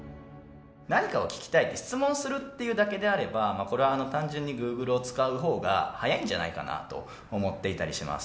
何かを聞きたいって、質問するっていうだけであれば、これは単純にグーグルを使うほうが速いんじゃないかなと思っていたりします。